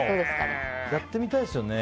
やってみたいですよね。